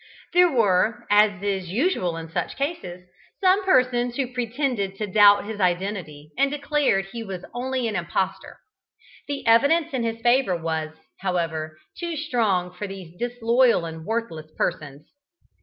There were, as is usual in such cases, some persons who pretended to doubt his identity and declared that he was only an impostor. The evidence in his favour was, however, too strong for these disloyal and worthless persons.